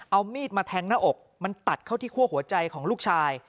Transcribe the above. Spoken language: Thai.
เอามีดมาแทงหน้าอกมันตัดเข้าที่คั่วหัวใจของลูกชาย